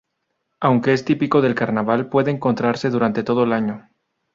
Aunque es típico del Carnaval puede encontrarse durante todo el año.